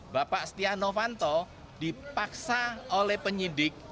bapak setianowanto dipaksa oleh penyidik